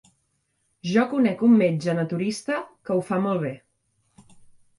Jo conec un metge naturista que ho fa molt bé.